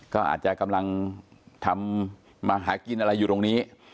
ก็อาจจะกำลังทำมาหากินอะไรอยู่ตรงนี้